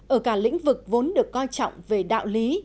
ở cả lĩnh vực vốn được coi trọng về đạo lý